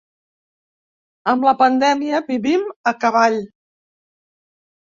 Amb la pandèmia, vivim a cavall.